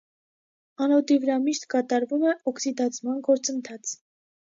Անոդի վրա միշտ կատարվում է օքսիդացման գործընթաց։